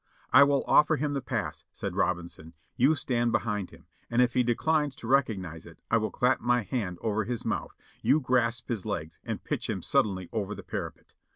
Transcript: "I will offer him the pass," said Robinson ; "you stand behind him, and if he declines to recognize it, I will clap my hand over his mouth, you grasp his legs and pitch him suddenly over the parapet."